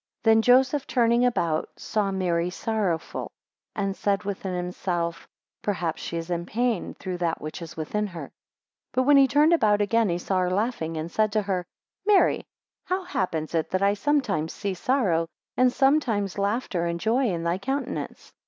6 Then Joseph turning about saw Mary sorrowful, and said within himself, Perhaps she is in pain through that which is within her. 7 But when he turned about again, he saw her laughing, and said to her, 8 Mary, how happens it, that I sometimes see sorrow, and sometimes laughter and joy in thy countenance?